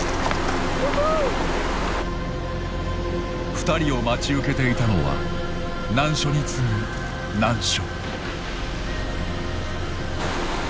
２人を待ち受けていたのは難所に次ぐ難所。